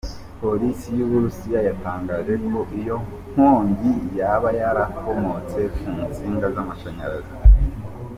Polisi y’u Burusiya yatangaje ko iyo nkongi yaba yarakomotse ku nsinga z’amashanyarazi.